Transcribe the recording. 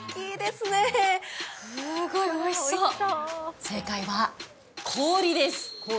すごいおいしそう正解は「氷」です